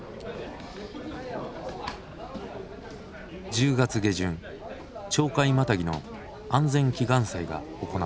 １０月下旬鳥海マタギの安全祈願祭が行われた。